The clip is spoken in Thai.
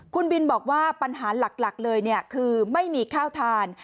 คุณบินบอกว่าปัญหาหลักเลยคือไม่มีข้าวทาน